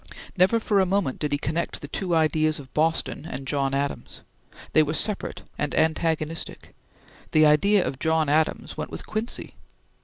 Never for a moment did he connect the two ideas of Boston and John Adams; they were separate and antagonistic; the idea of John Adams went with Quincy.